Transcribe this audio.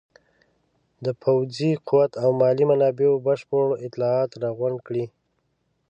د پوځي قوت او مالي منابعو بشپړ اطلاعات راغونډ کړي.